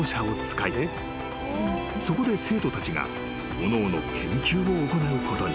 そこで生徒たちがおのおの研究を行うことに］